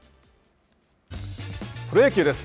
プロ野球です。